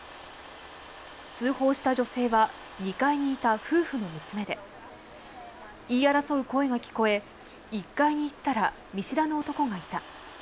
通報した女性は２階にいた夫婦の娘で、言い争う声が聞こえ１階に行ったら見知らぬ男がいた。